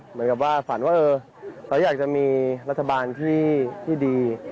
เหมือนกับว่าฝันว่าเออเราอยากจะมีรัฐบาลที่ดี